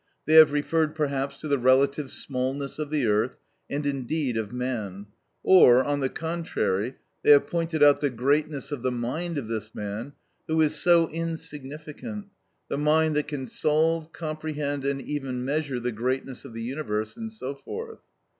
They have referred perhaps to the relative smallness of the earth, and indeed of man; or, on the contrary, they have pointed out the greatness of the mind of this man who is so insignificant—the mind that can solve, comprehend, and even measure the greatness of the universe, and so forth.